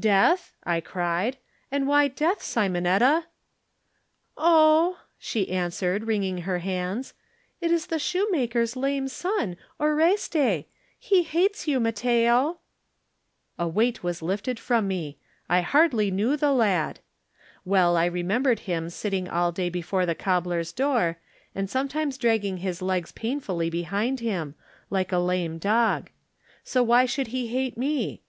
"Death?" I cried. "And why death, Simonetta?" "Oh!" she answered, wringing her hands, "it is the shoemaker's lame son, Oreste. He hates you, Matteo!" A weight was lifted from me. I hardly 42 Digitized by Google THE NINTH MAN knew the lad. Well I remembered him sitting all day before the cobbler's door, and sometimes dragging his legs painfully be hind him, like a lame dog. So why should he hate me?